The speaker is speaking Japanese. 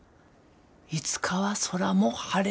いつかは空も晴れる。